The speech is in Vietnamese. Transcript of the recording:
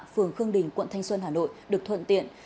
phường khương đình quận thanh xuân hà nội được thuận tiện